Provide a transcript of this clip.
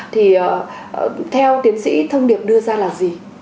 thì theo tiến sĩ thông điệp đưa ra là gì